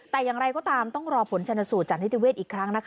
แต่อย่างไรก็ตามต้องรอผลชนสูตรจากนิติเวศอีกครั้งนะคะ